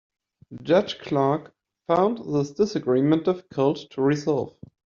Judge Clark found this disagreement difficult to resolve.